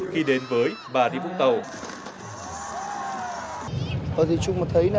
khi đến với bà đi vũng tàu